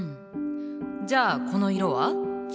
じゃあこの色は？